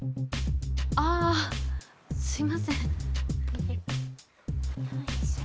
ああすいません。